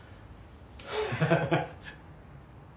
ハハハハ。